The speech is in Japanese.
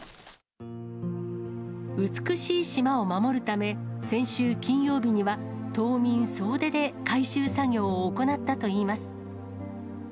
美しい島を守るため、先週金曜日には島民総出で回収作業を行ったといいます。